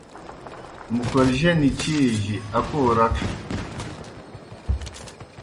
مُکر جنیْ چیئی جیْ اکو رڇھہ۔